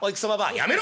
「やめろ！